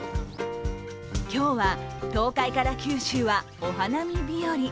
今日は東海から九州はお花見日和。